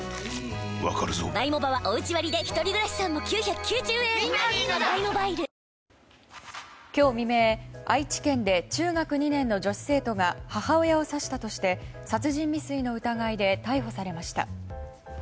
わかるぞ今日未明、愛知県で中学２年の女子生徒が母親を刺したとして殺人未遂の疑いで逮捕されました。